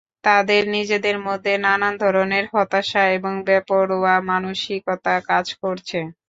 তাদের নিজেদের মধ্যে নানান ধরনের হতাশা এবং বেপরোয়া মানসিকতা কাজ করছে।